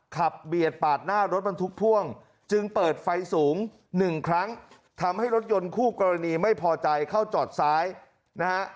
เบียดปาดหน้ารถบรรทุกพ่วงจึงเปิดไฟสูงหนึ่งครั้งทำให้รถยนต์คู่กรณีไม่พอใจเข้าจอดซ้ายนะฮะ